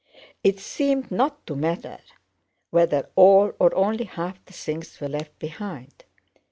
It seemed not to matter whether all or only half the things were left behind.